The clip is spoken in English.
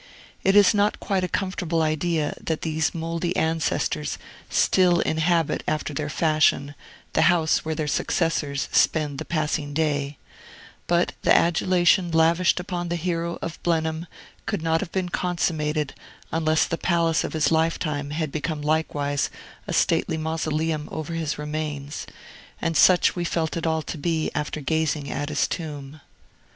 It is not quite a comfortable idea, that these mouldy ancestors still inhabit, after their fashion, the house where their successors spend the passing day; but the adulation lavished upon the hero of Blenheim could not have been consummated, unless the palace of his lifetime had become likewise a stately mausoleum over his remains, and such we felt it all to be, after gazing at his tomb.